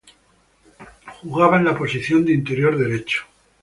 Jugaba en la posición de interior derecho.